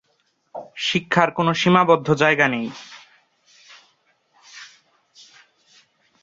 শিক্ষার কোন সীমাবদ্ধ জায়গা নেই।